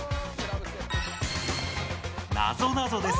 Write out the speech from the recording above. なぞなぞです。